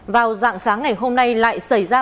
vào dạng sáng ngày hôm nay lại xảy ra